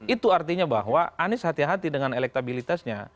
itu artinya bahwa anies hati hati dengan elektabilitasnya